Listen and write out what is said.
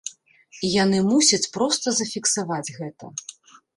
І яны мусяць проста зафіксаваць гэта.